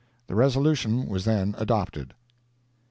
The resolution was then adopted.